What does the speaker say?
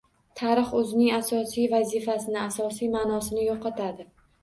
Tarix o‘zining asosiy vazifasini, asosiy ma’nosini yo‘qotadi.